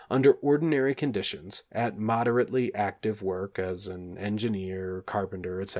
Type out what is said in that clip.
under ordinary conditions, at moderately active work, as an engineer, carpenter, etc.